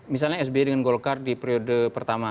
misalnya sby dengan golkar di periode pertama